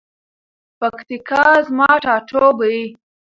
پکتیکا زما ټاټوبی.